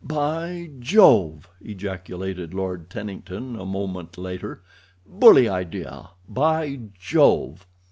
"By Jove!" ejaculated Lord Tennington, a moment later. "Bully idea, by Jove!"